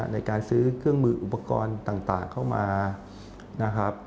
ในการซื้อเครื่องมืออุปกรณ์ต่างเข้ามานะครับ